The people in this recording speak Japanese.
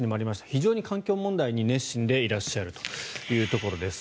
非常に環境問題に熱心でいらっしゃるというところです。